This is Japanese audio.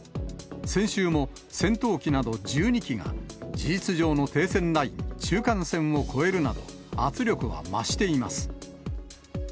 先週も戦闘機など１２機が、事実上の停戦ライン、中間線を越えるなど、圧力は増しています。